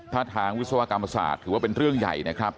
ถ้าทางวิศวกรรมศาสตร์ถือว่าเป็นเรื่องใหญ่นะครับ